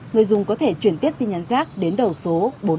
người dùng có thể chuyển tiết tin nhắn giác đến đầu số